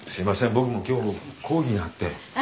僕も今日講義があって。